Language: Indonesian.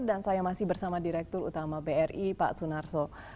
dan saya masih bersama direktur utama bri pak sunarso